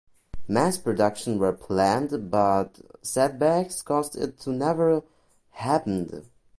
Mass production were planned but setbacks caused it to never happened.